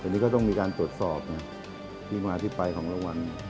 อันนี้ก็ต้องมีการตรวจสอบนะที่มาที่ไปของรางวัล